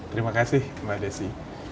terima kasih mbak desy